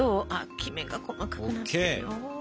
きめが細かくなってるよ。ＯＫ。